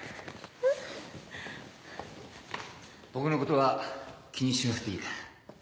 僕のことは気にしなくていいから。